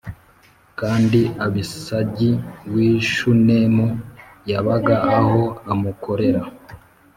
kandi Abisagi w’i Shunemu yabaga aho amukorera.